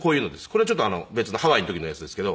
これはちょっと別のハワイの時のやつですけど。